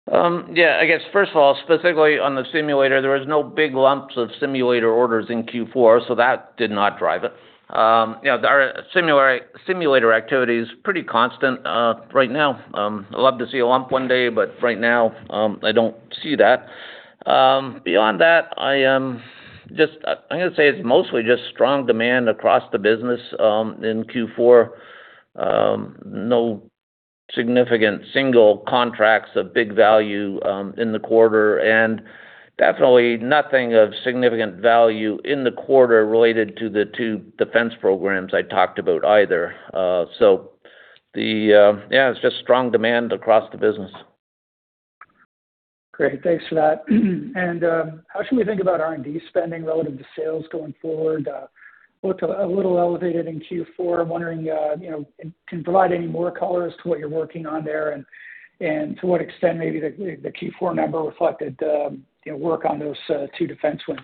Speaker 2: ...Yeah, I guess first of all, specifically on the simulator, there was no big lumps of simulator orders in Q4, so that did not drive it. You know, our simulator activity is pretty constant right now. I'd love to see a lump one day, but right now, I don't see that. Beyond that, I just, I'm gonna say it's mostly just strong demand across the business in Q4. No significant single contracts of big value in the quarter, and definitely nothing of significant value in the quarter related to the two defense programs I talked about either. So yeah, it's just strong demand across the business.
Speaker 6: Great. Thanks for that. And how should we think about R&D spending relative to sales going forward? Looked a little elevated in Q4. I'm wondering, you know, can you provide any more color as to what you're working on there, and to what extent maybe the Q4 number reflected, you know, work on those two defense wins?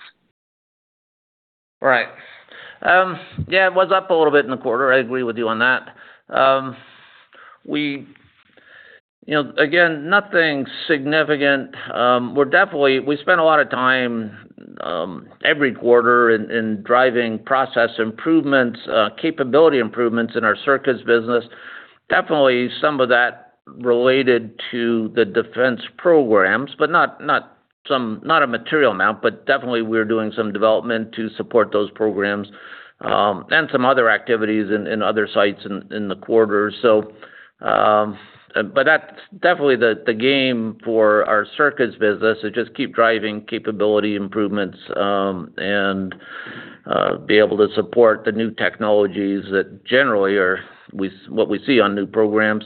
Speaker 2: Right. Yeah, it was up a little bit in the quarter. I agree with you on that. We, you know, again, nothing significant. We're definitely—we spend a lot of time every quarter in driving process improvements, capability improvements in our circuits business. Definitely some of that related to the defense programs, but not, not some, not a material amount, but definitely we're doing some development to support those programs, and some other activities in other sites in the quarter. So, but that's definitely the game for our circuits business, is just keep driving capability improvements, and be able to support the new technologies that generally are with what we see on new programs.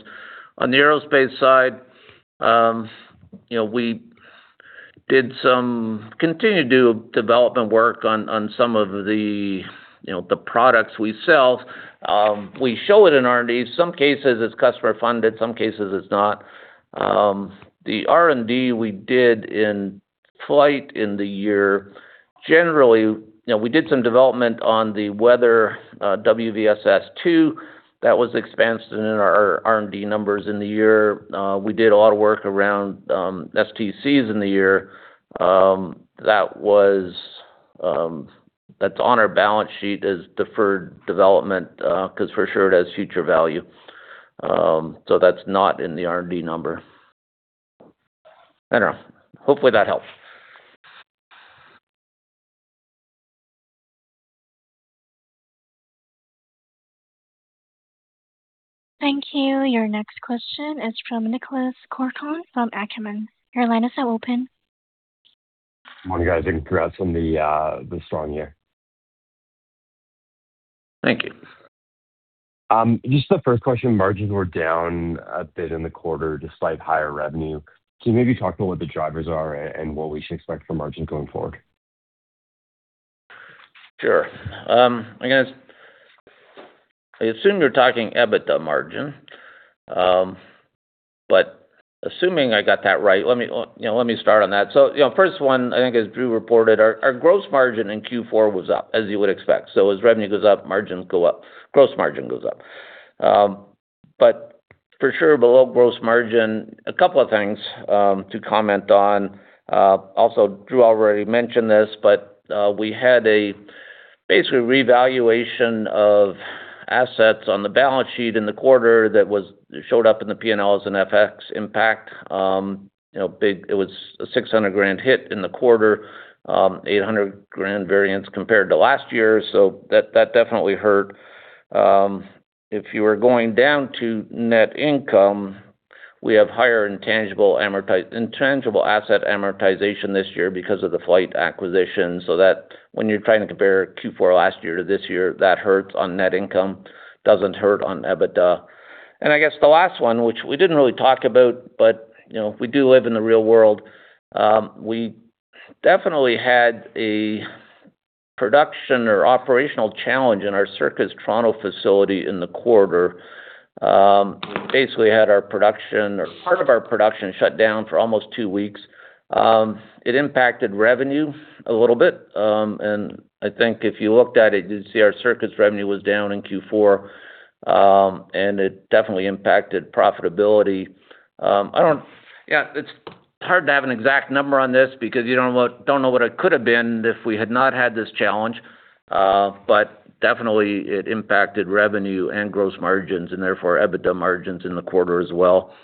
Speaker 2: On the aerospace side, you know, we did continue to do development work on, on some of the, you know, the products we sell. We show it in R&D. Some cases it's customer funded, some cases it's not. The R&D we did in FLYHT in the year, generally, you know, we did some development on the weather, WVSS-II. That was expansion in our R&D numbers in the year. We did a lot of work around, STCs in the year. That was, that's on our balance sheet as deferred development, 'cause for sure it has future value. So that's not in the R&D number. I don't know. Hopefully, that helps.
Speaker 1: Thank you. Your next question is from Nicholas Corcoran from Acumen. Your line is now open.
Speaker 7: Morning, guys, and congrats on the strong year.
Speaker 2: Thank you.
Speaker 7: Just the first question, margins were down a bit in the quarter, despite higher revenue. Can you maybe talk about what the drivers are and what we should expect for margins going forward?
Speaker 2: Sure. I guess, I assume you're talking EBITDA margin. But assuming I got that right, let me, you know, let me start on that. So, you know, first one, I think as Drew reported, our gross margin in Q4 was up, as you would expect. So as revenue goes up, margins go up, gross margin goes up. But for sure, below gross margin, a couple of things to comment on. Also, Drew already mentioned this, but we had a basically revaluation of assets on the balance sheet in the quarter that showed up in the P&Ls and FX impact. You know, big, it was a 600,000 hit in the quarter, eight hundred grand variance compared to last year, so that definitely hurt. If you were going down to net income, we have higher intangible asset amortization this year because of the FLYHT acquisition, so that when you're trying to compare Q4 last year to this year, that hurts on net income, doesn't hurt on EBITDA. I guess the last one, which we didn't really talk about, but, you know, we do live in the real world. We definitely had a production or operational challenge in our Circuits Toronto facility in the quarter. Basically had our production, or part of our production shut down for almost two weeks. It impacted revenue a little bit, and I think if you looked at it, you'd see our Circuits revenue was down in Q4, and it definitely impacted profitability. Yeah, it's hard to have an exact number on this because you don't know, don't know what it could have been if we had not had this challenge. But definitely it impacted revenue and gross margins, and therefore EBITDA margins in the quarter as well.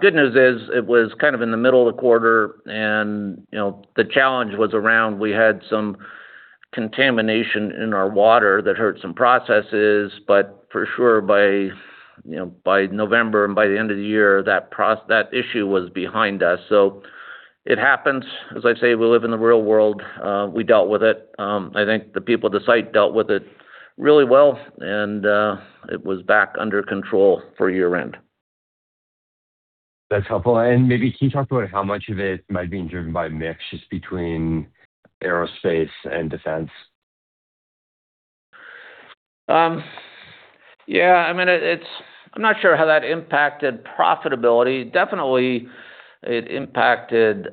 Speaker 2: Good news is, it was kind of in the middle of the quarter and, you know, the challenge was around we had some contamination in our water that hurt some processes, but for sure by, you know, by November and by the end of the year, that issue was behind us. It happens. As I say, we live in the real world. We dealt with it. I think the people at the site dealt with it really well, and it was back under control for year-end.
Speaker 7: That's helpful. And maybe can you talk about how much of it might be driven by mix, just between aerospace and defense?
Speaker 2: Yeah, I mean, I'm not sure how that impacted profitability. Definitely, it impacted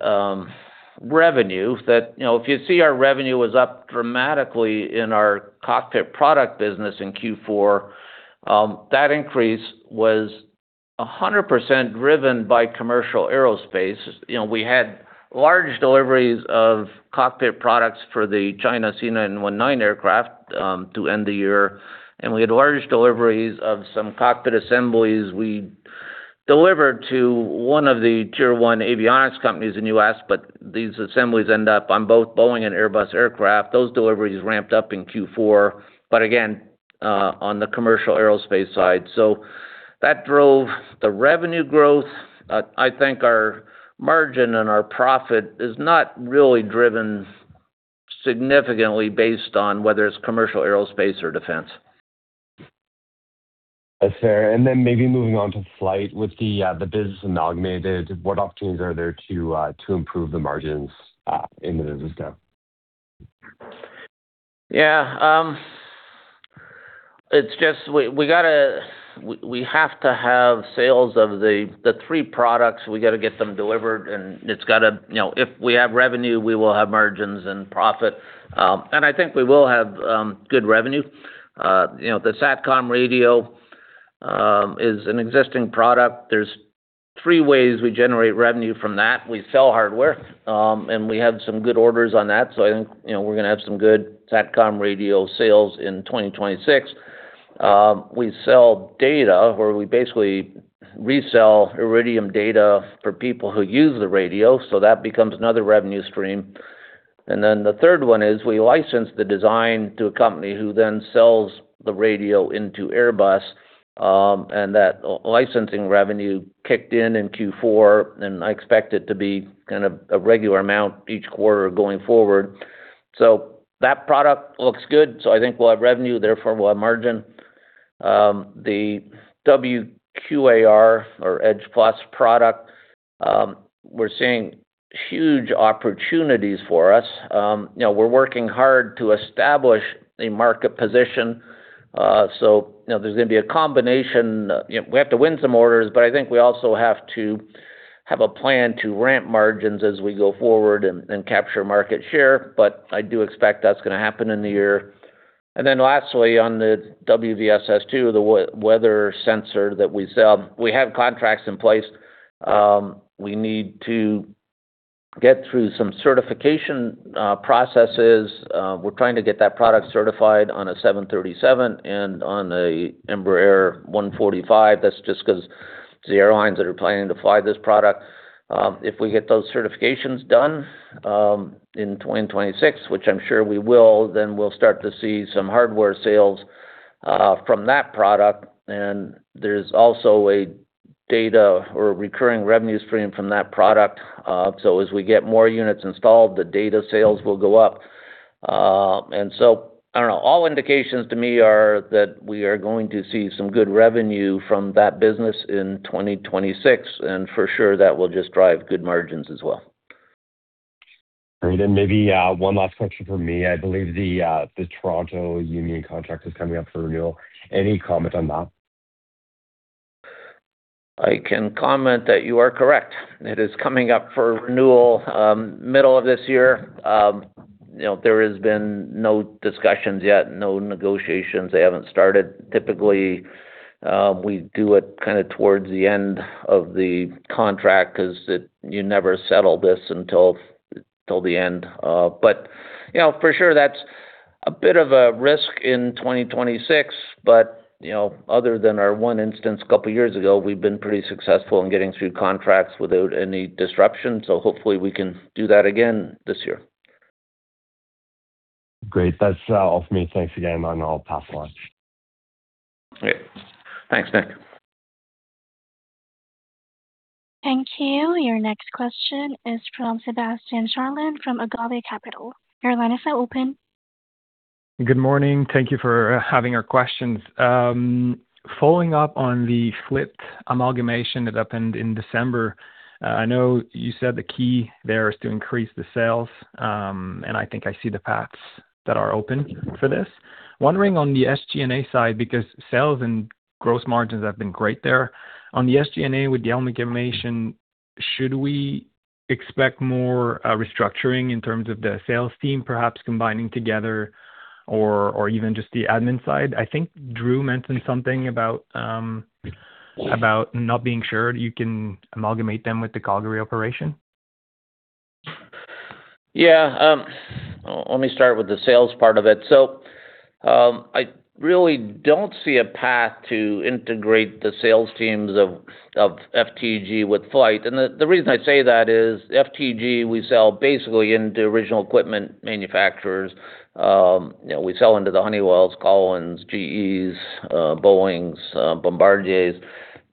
Speaker 2: revenue that, you know, if you see our revenue was up dramatically in our cockpit product business in Q4, that increase was 100% driven by commercial aerospace. You know, we had large deliveries of cockpit products for the China C919 aircraft to end the year, and we had large deliveries of some cockpit assemblies we delivered to one of the Tier One avionics companies in U.S., but these assemblies end up on both Boeing and Airbus aircraft. Those deliveries ramped up in Q4, but again, on the commercial aerospace side. So that drove the revenue growth. I think our margin and our profit is not really driven significantly based on whether it's commercial aerospace or defense.
Speaker 7: That's fair. And then maybe moving on to FLYHT. With the business amalgamated, what opportunities are there to improve the margins in the business now?
Speaker 2: Yeah, it's just we have to have sales of the three products. We got to get them delivered, and it's gotta... You know, if we have revenue, we will have margins and profit. And I think we will have good revenue. You know, the SATCOM Radio is an existing product. There's three ways we generate revenue from that. We sell hardware, and we have some good orders on that, so I think, you know, we're gonna have some good SATCOM Radio sales in 2026. We sell data, where we basically resell Iridium data for people who use the radio, so that becomes another revenue stream. And then the third one is we license the design to a company who then sells the radio into Airbus, and that licensing revenue kicked in in Q4, and I expect it to be kind of a regular amount each quarter going forward. So that product looks good, so I think we'll have revenue, therefore we'll have margin. The WQAR, or Edge+ product, we're seeing huge opportunities for us. You know, we're working hard to establish a market position. So, you know, there's gonna be a combination. You know, we have to win some orders, but I think we also have to have a plan to ramp margins as we go forward and, and capture market share. But I do expect that's gonna happen in the year. Lastly, on the WVSS-II, the weather sensor that we sell, we have contracts in place. We need to get through some certification processes. We're trying to get that product certified on a 737 and on an Embraer 145. That's just 'cause the airlines that are planning to fly this product. If we get those certifications done in 2026, which I'm sure we will, then we'll start to see some hardware sales from that product. And there's also a data or recurring revenue stream from that product. So as we get more units installed, the data sales will go up. And so I don't know. All indications to me are that we are going to see some good revenue from that business in 2026, and for sure, that will just drive good margins as well.
Speaker 7: Great. And maybe, one last question from me. I believe the Toronto union contract is coming up for renewal. Any comment on that?
Speaker 2: I can comment that you are correct. It is coming up for renewal, middle of this year. You know, there has been no discussions yet, no negotiations. They haven't started. Typically, we do it kind of towards the end of the contract because you never settle this until, till the end. But, you know, for sure that's a bit of a risk in 2026, but, you know, other than our one instance a couple of years ago, we've been pretty successful in getting through contracts without any disruption. So hopefully we can do that again this year.
Speaker 7: Great. That's all for me. Thanks again, and I'll pass along.
Speaker 2: Great. Thanks, Nick.
Speaker 1: Thank you. Your next question is from Sebastian Sharlin from Agave Capital. Your line is now open.
Speaker 8: Good morning. Thank you for having our questions. Following up on the FLYHT amalgamation that happened in December, I know you said the key there is to increase the sales, and I think I see the paths that are open for this. Wondering on the SG&A side, because sales and gross margins have been great there. On the SG&A, with the amalgamation, should we expect more restructuring in terms of the sales team, perhaps combining together or even just the admin side? I think Drew mentioned something about not being sure you can amalgamate them with the Calgary operation.
Speaker 2: Let me start with the sales part of it. So, I really don't see a path to integrate the sales teams of FTG with FLYHT. And the reason I say that is FTG, we sell basically into original equipment manufacturers. You know, we sell into the Honeywells, Collins, GEs, Boeings, Bombardiers.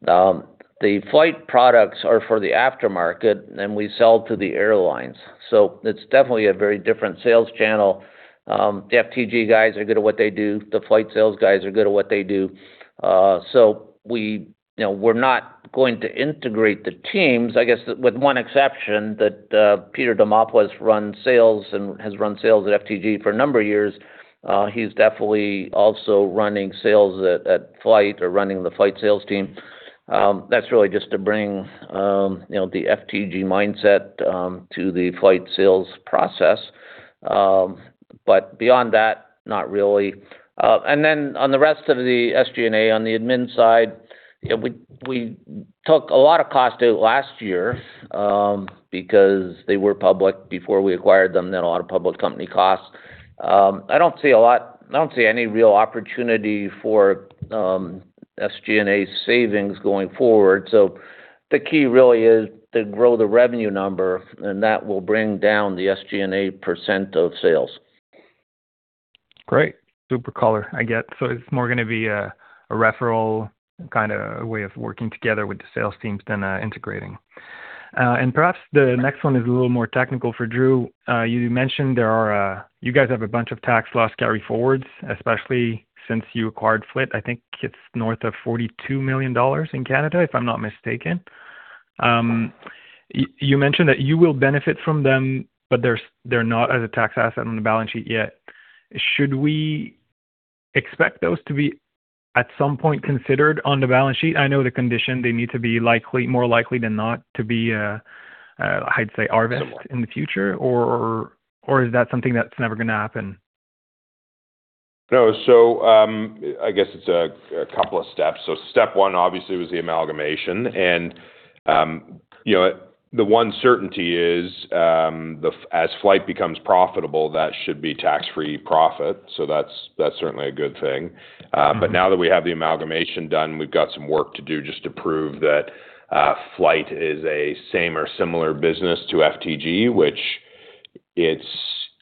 Speaker 2: The FLYHT products are for the aftermarket, and we sell to the airlines. So it's definitely a very different sales channel. The FTG guys are good at what they do, the FLYHT sales guys are good at what they do. So we, you know, we're not going to integrate the teams, I guess, with one exception, that Peter Dimopoulos runs sales and has run sales at FTG for a number of years. He's definitely also running sales at FLYHT or running the FLYHT sales team. That's really just to bring, you know, the FTG mindset to the FLYHT sales process. But beyond that, not really. And then on the rest of the SG&A, on the admin side, yeah, we took a lot of cost out last year, because they were public before we acquired them, then a lot of public company costs. I don't see a lot—I don't see any real opportunity for SG&A savings going forward. So the key really is to grow the revenue number, and that will bring down the SG&A % of sales.
Speaker 8: Great. Super clear, I get. So it's more gonna be a referral kind of way of working together with the sales teams than integrating. And perhaps the next one is a little more technical for Drew. You mentioned there are. You guys have a bunch of tax loss carryforwards, especially since you acquired FLYHT. I think it's north of 42 million dollars in Canada, if I'm not mistaken. You mentioned that you will benefit from them, but they're not a tax asset on the balance sheet yet. Should we expect those to be, at some point, considered on the balance sheet? I know the condition they need to be likely, more likely than not, to be realized in the future, or is that something that's never gonna happen?
Speaker 3: No. So, I guess it's a couple of steps. So step one, obviously, was the amalgamation, and, you know, the one certainty is, as FLYHT becomes profitable, that should be tax-free profit, so that's certainly a good thing. But now that we have the amalgamation done, we've got some work to do just to prove that, FLYHT is a same or similar business to FTG, which it's,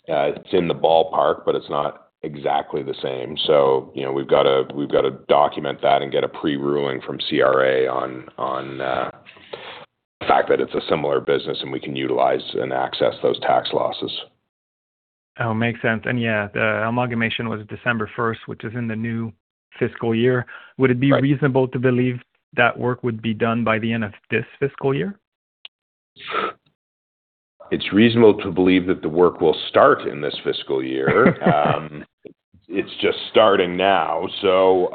Speaker 3: it's in the ballpark, but it's not exactly the same. So, you know, we've got to, we've got to document that and get a pre-ruling from CRA on, on, the fact that it's a similar business and we can utilize and access those tax losses.
Speaker 8: Oh, makes sense. Yeah, the amalgamation was December first, which is in the new fiscal year.
Speaker 3: Right.
Speaker 8: Would it be reasonable to believe that work would be done by the end of this fiscal year?
Speaker 3: It's reasonable to believe that the work will start in this fiscal year. It's just starting now, so,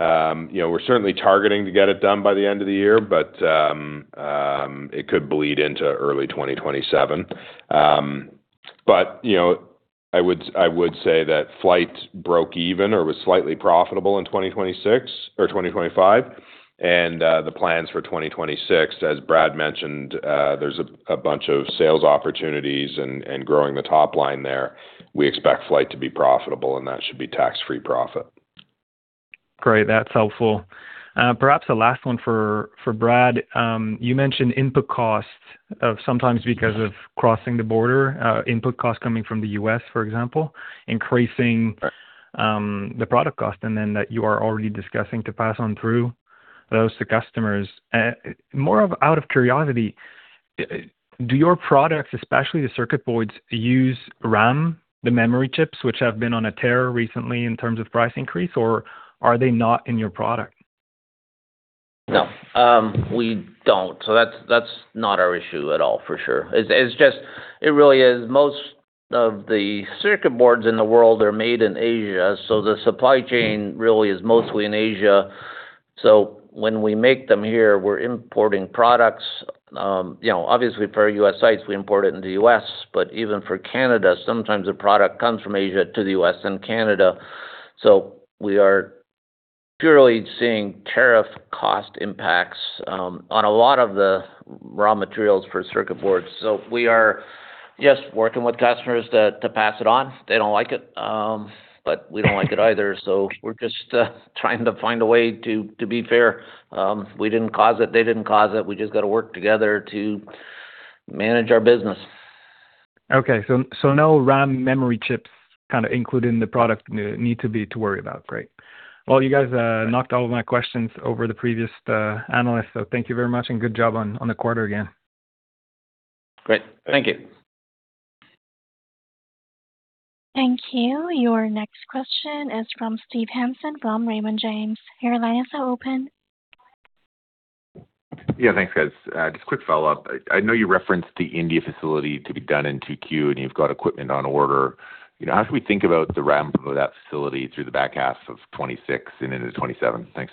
Speaker 3: you know, we're certainly targeting to get it done by the end of the year, but, it could bleed into early 2027. But, you know, I would, I would say that FLYHT broke even or was slightly profitable in 2026 or 2025. And, the plans for 2026, as Brad mentioned, there's a bunch of sales opportunities and growing the top line there. We expect FLYHT to be profitable, and that should be tax-free profit.
Speaker 8: Great, that's helpful. Perhaps the last one for Brad. You mentioned input costs, sometimes because of crossing the border, input costs coming from the U.S., for example, increasing-
Speaker 2: Right...
Speaker 8: the product cost, and then that you are already discussing to pass on through those to customers. More out of curiosity, do your products, especially the circuit boards, use RAM, the memory chips, which have been on a tear recently in terms of price increase, or are they not in your product?
Speaker 2: No, we don't. So that's not our issue at all, for sure. It's just... It really is most of the circuit boards in the world are made in Asia, so the supply chain really is mostly in Asia. So when we make them here, we're importing products. You know, obviously, for our U.S. sites, we import it in the U.S., but even for Canada, sometimes the product comes from Asia to the U.S. and Canada. So we are purely seeing tariff cost impacts on a lot of the raw materials for circuit boards. So we are just working with customers to pass it on. They don't like it, but we don't like it either, so we're just trying to find a way to be fair. We didn't cause it, they didn't cause it, we just got to work together to manage our business.
Speaker 8: Okay. So no RAM memory chips kind of included in the product need to be to worry about. Great. Well, you guys knocked all of my questions over the previous analyst, so thank you very much, and good job on the quarter again.
Speaker 2: Great. Thank you.
Speaker 1: Thank you. Your next question is from Steve Hansen, from Raymond James. Your line is now open.
Speaker 5: Yeah, thanks, guys. Just a quick follow-up. I know you referenced the India facility to be done in 2Q, and you've got equipment on order. You know, how should we think about the ramp of that facility through the back half of 2026 and into 2027? Thanks.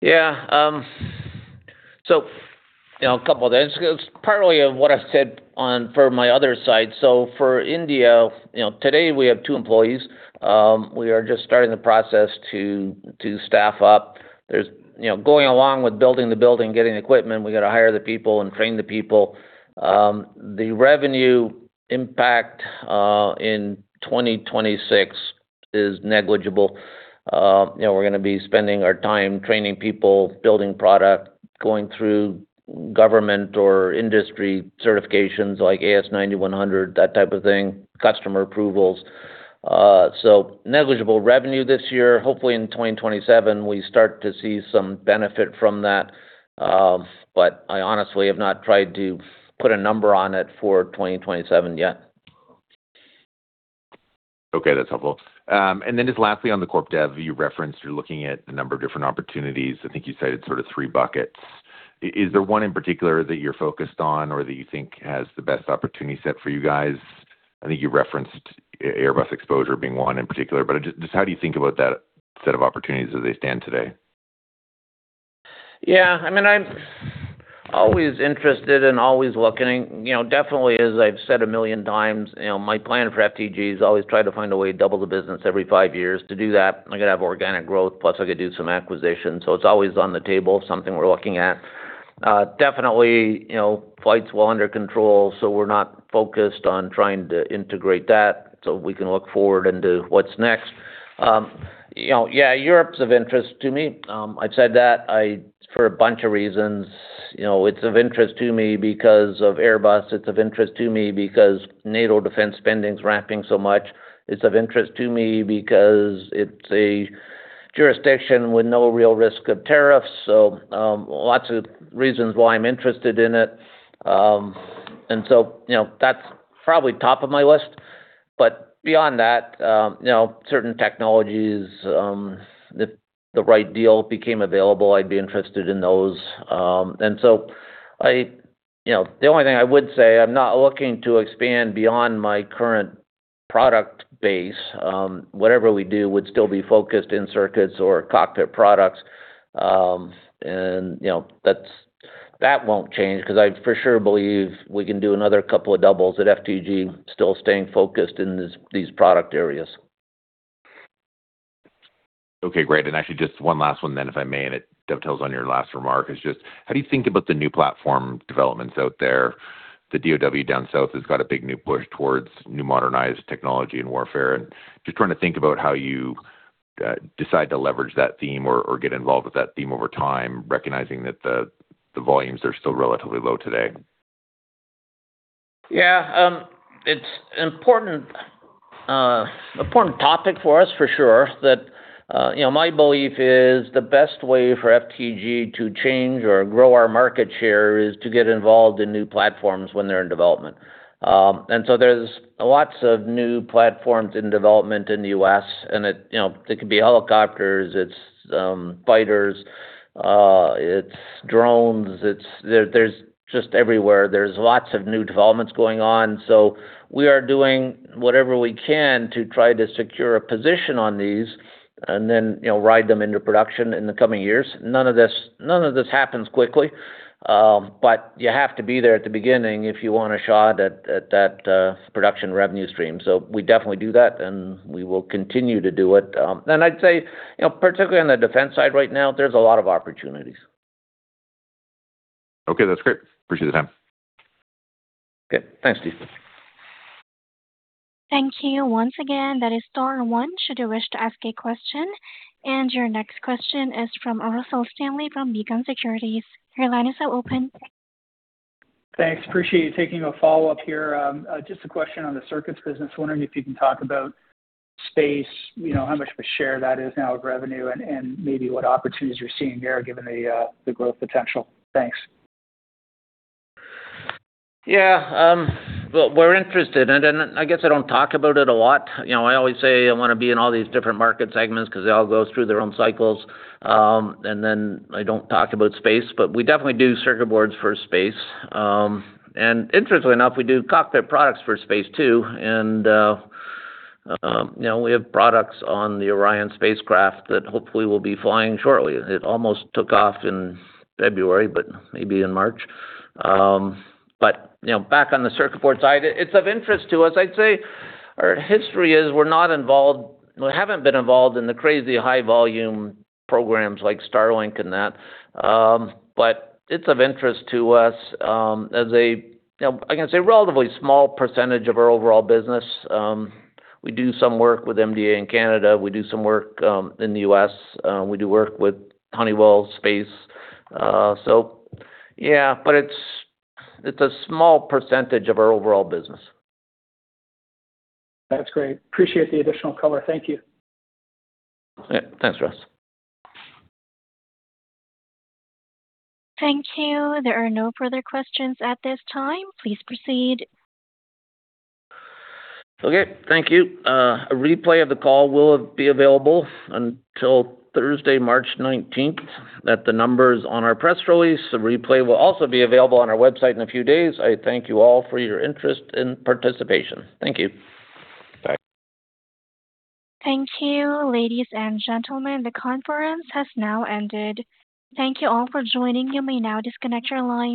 Speaker 2: Yeah, so, you know, a couple of things. It's partly of what I said on for my other side. So for India, you know, today we have two employees. We are just starting the process to staff up. You know, going along with building the building, getting equipment, we got to hire the people and train the people. The revenue impact in 2026 is negligible. You know, we're gonna be spending our time training people, building product, going through government or industry certifications like AS9100, that type of thing, customer approvals. So negligible revenue this year. Hopefully, in 2027, we start to see some benefit from that. But I honestly have not tried to put a number on it for 2027 yet.
Speaker 5: Okay, that's helpful. And then just lastly, on the corp dev, you referenced you're looking at a number of different opportunities. I think you said it's sort of three buckets.... Is there one in particular that you're focused on or that you think has the best opportunity set for you guys? I think you referenced Airbus exposure being one in particular, but just, just how do you think about that set of opportunities as they stand today?
Speaker 2: Yeah, I mean, I'm always interested and always looking. You know, definitely, as I've said a million times, you know, my plan for FTG is always try to find a way to double the business every five years. To do that, I gotta have organic growth, plus I could do some acquisition. So it's always on the table, something we're looking at. Definitely, you know, FLYHT's well under control, so we're not focused on trying to integrate that, so we can look forward into what's next. You know, yeah, Europe's of interest to me. I've said that I, for a bunch of reasons, you know, it's of interest to me because of Airbus. It's of interest to me because NATO defense spending is ramping so much. It's of interest to me because it's a jurisdiction with no real risk of tariffs. So, lots of reasons why I'm interested in it. And so, you know, that's probably top of my list. But beyond that, you know, certain technologies, if the right deal became available, I'd be interested in those. And so, you know, the only thing I would say, I'm not looking to expand beyond my current product base. Whatever we do would still be focused in circuits or cockpit products. And, you know, that's, that won't change because I for sure believe we can do another couple of doubles at FTG, still staying focused in this, these product areas.
Speaker 5: Okay, great. And actually, just one last one then, if I may, and it dovetails on your last remark. It's just, how do you think about the new platform developments out there? The DoD down south has got a big new push towards new modernized technology and warfare, and just trying to think about how you decide to leverage that theme or, or get involved with that theme over time, recognizing that the volumes are still relatively low today.
Speaker 2: Yeah, it's important, important topic for us for sure, that, you know, my belief is the best way for FTG to change or grow our market share is to get involved in new platforms when they're in development. And so there's lots of new platforms in development in the U.S., and it, you know, it could be helicopters, it's, fighters, it's drones, it's... There's just everywhere. There's lots of new developments going on. So we are doing whatever we can to try to secure a position on these and then, you know, ride them into production in the coming years. None of this, none of this happens quickly, but you have to be there at the beginning if you want a shot at, at that, production revenue stream. So we definitely do that, and we will continue to do it. And I'd say, you know, particularly on the defense side right now, there's a lot of opportunities.
Speaker 5: Okay, that's great. Appreciate the time.
Speaker 2: Okay. Thanks, Steve.
Speaker 1: Thank you. Once again, that is star one, should you wish to ask a question. Your next question is from Russell Stanley from Beacon Securities. Your line is now open.
Speaker 6: Thanks. Appreciate you taking a follow-up here. Just a question on the circuits business. Wondering if you can talk about space, you know, how much of a share that is now of revenue and, and maybe what opportunities you're seeing there, given the growth potential. Thanks.
Speaker 2: Yeah, well, we're interested in it, and I guess I don't talk about it a lot. You know, I always say I wanna be in all these different market segments because they all go through their own cycles, and then I don't talk about space, but we definitely do circuit boards for space. Interestingly enough, we do cockpit products for space, too. You know, we have products on the Orion spacecraft that hopefully will be flying shortly. It almost took off in February, but maybe in March. You know, back on the circuit board side, it's of interest to us. I'd say our history is we're not involved. We haven't been involved in the crazy high volume programs like Starlink and that, but it's of interest to us, as a, you know, I can say, relatively small % of our overall business. We do some work with MDA in Canada. We do some work in the U.S. We do work with Honeywell Space. So yeah, but it's, it's a small % of our overall business.
Speaker 6: That's great. Appreciate the additional color. Thank you.
Speaker 2: Yeah. Thanks, Russ.
Speaker 1: Thank you. There are no further questions at this time. Please proceed.
Speaker 2: Okay. Thank you. A replay of the call will be available until Thursday, March 19, at the numbers on our press release. The replay will also be available on our website in a few days. I thank you all for your interest and participation. Thank you. Bye.
Speaker 1: Thank you, ladies and gentlemen. The conference has now ended. Thank you all for joining. You may now disconnect your lines.